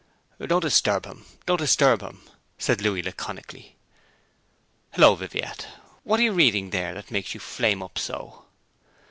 'Don't disturb him, don't disturb him,' said Louis laconically. 'Hullo, Viviette, what are you reading there that makes you flame up so?'